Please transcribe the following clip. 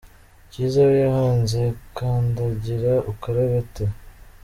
Cyiza we yahanze “Kandagira Ukarabe” ate?.